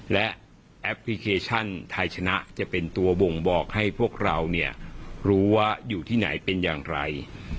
และแอปพลิเคชันไทยชนะจะเป็นตัวบ่งบอกให้พวกเราเนี่ยรู้ว่าอยู่ที่ไหนเป็นอย่างไร